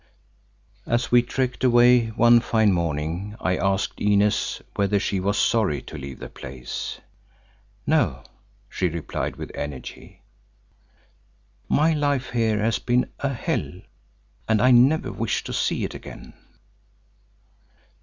As we trekked away one fine morning I asked Inez whether she was sorry to leave the place. "No," she replied with energy, "my life there has been a hell and I never wish to see it again."